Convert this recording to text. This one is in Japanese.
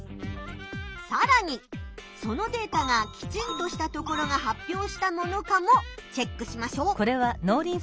さらにそのデータがきちんとしたところが発表したものかもチェックしましょう！